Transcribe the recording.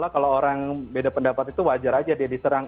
kalau orang beda pendapat itu wajar aja dia diserang